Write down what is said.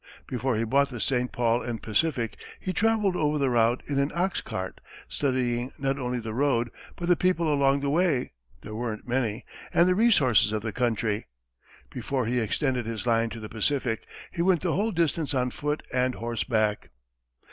Before he bought the St. Paul & Pacific, he traveled over the route in an ox cart, studying not only the road, but the people along the way there weren't many and the resources of the country. Before he extended his line to the Pacific, he went the whole distance on foot and horseback.